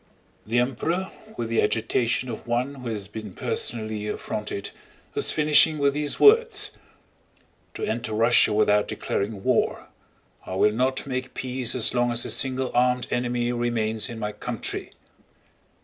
The Emperor, with the agitation of one who has been personally affronted, was finishing with these words: "To enter Russia without declaring war! I will not make peace as long as a single armed enemy remains in my country!"